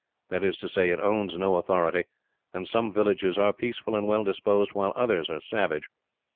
That is to say, it owns no authority; and some villages are peaceable and well disposed, while others are savage.